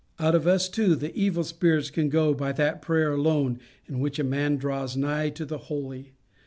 Out of us, too, the evil spirits can go by that prayer alone in which a man draws nigh to the Holy.